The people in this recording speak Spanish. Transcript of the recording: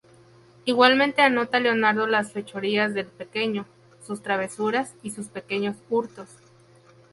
Igualmente anota Leonardo las fechorías del pequeño, sus travesuras y sus pequeños hurtos.